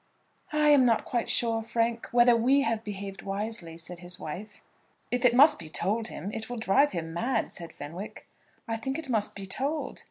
"I am not quite sure, Frank, whether we have behaved wisely," said his wife. "If it must be told him, it will drive him mad," said Fenwick. "I think it must be told."